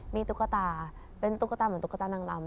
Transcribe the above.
มีตุ๊กตาเป็นตุ๊กตาเหมือนตุ๊กตานางลำ